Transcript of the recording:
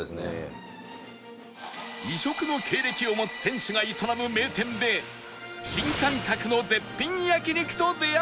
異色の経歴を持つ店主が営む名店で新感覚の絶品焼肉と出会う事に